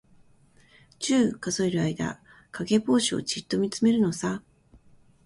十、数える間、かげぼうしをじっとみつめるのさ。